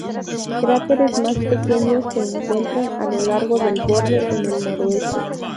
Cráteres más pequeños se encuentran a lo largo del borde en el noreste.